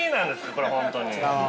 これ本当に。